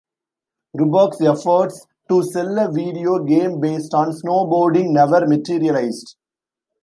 Rupak's efforts to sell a video game based on Snowboarding never materialized.